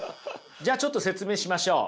じゃあちょっと説明しましょう。